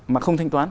mà không thanh toán